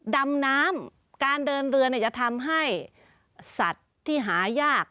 ดำน้ำการเดินเรือจะทำให้สัตว์ที่หายาก